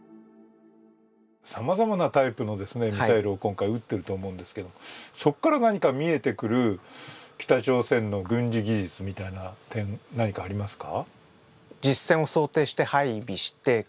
さまざまなタイプのミサイルを今回撃っていると思うんですけど、そこから何か見えてくる北朝鮮の軍事技術みたいな点、何かありますか？